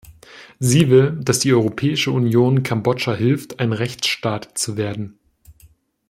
Sie will, dass die Europäische Union Kambodscha hilft, ein Rechtsstaat zu werden.